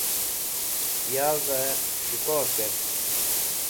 Yavey S̃hikor Kert